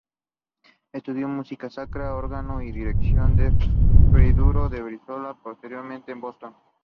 Estudió música sacra, órgano y dirección en Friburgo de Brisgovia y posteriormente en Boston.